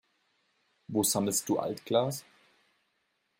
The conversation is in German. Wo sammelst du Altglas?